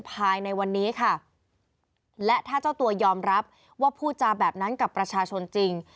ภายในวันนี้ค่ะและถ้าเจ้าตัวยอมรับว่าพูดจาแบบนั้นกับประชาชนจริง